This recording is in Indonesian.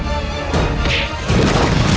dan menangkap kake guru